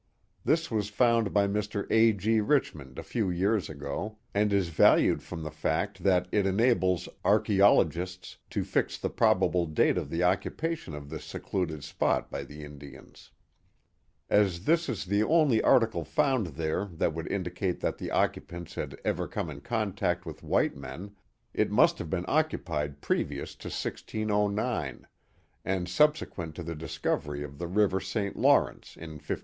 This was found by Mr. A. G. Richmond a few years ago, and is valued from the fact that it enables archaeologists to fix the probable date of the occupation of this secluded spot by the Indians. As this is the only article found there that would indicate that the occupants had ever come in contact with white men, it must have been occupied previous to 1609, and subsequent to the discovery of the river St. Lawrence, in 1535.